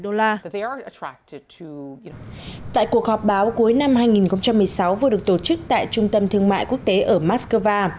tại cuộc họp báo cuối năm hai nghìn một mươi sáu vừa được tổ chức tại trung tâm thương mại quốc tế ở moscow